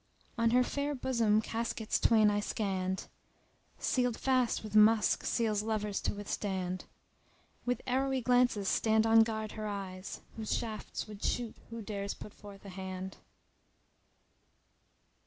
— On her fair bosom caskets twain I scanned, * Sealed fast with musk seals lovers to withstand With arrowy glances stand on guard her eyes, * Whose shafts would shoot who dares put forth a hand.